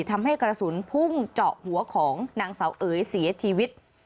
ทำให้กระสุนพุ่งเจาะหัวของนางเสาเอ๋ยเสียชีวิต